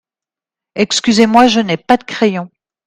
Excusez-moi, je n’ai pas de crayon.